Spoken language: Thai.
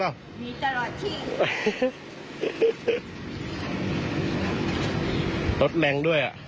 เห็นมันก็ไม่มอง